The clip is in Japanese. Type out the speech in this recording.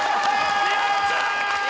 やった！